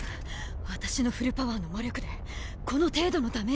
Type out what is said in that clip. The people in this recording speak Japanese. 私のフルパワーの魔力でこの程度のダメージなの？